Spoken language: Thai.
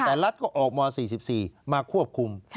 แต่รัฐก็ออกม๔๔มาควบคุม